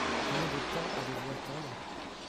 Combien de temps allez-vous attendre ?